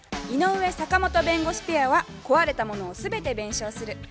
井上・坂本弁護士ペアは「壊れたものを全て弁償する」